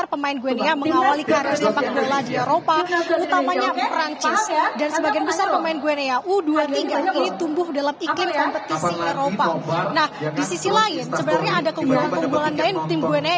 jangan lupa like share dan subscribe ya